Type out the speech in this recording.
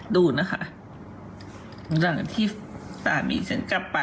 ดูนะคะหลังจากที่สามีฉันกลับไป